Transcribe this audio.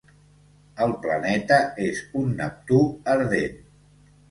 El planeta és un Neptú ardent.